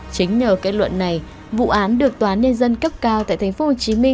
chính nhờ kết luận này vụ án được tòa nhân dân cấp cao tp hcm